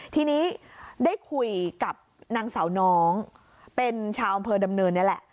ทีนี้ได้คุยกับนางสาวน้องเป็นชาวอำเภอดำเนินนี่แหละ